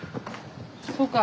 そうか。